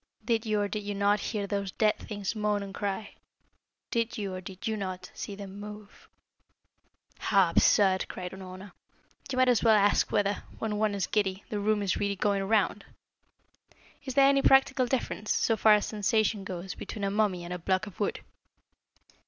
Did you, or did you not, hear those dead things moan and cry? Did you, or did you not, see them move?" "How absurd!" cried Unorna. "You might as well ask whether, when one is giddy, the room is really going round? Is there any practical difference, so far as sensation goes, between a mummy and a block of wood?"